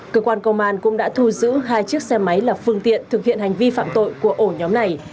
cơ quan công an cũng đã thu giữ hai chiếc xe máy là phương tiện thực hiện hành vi phạm tội của ổ nhóm này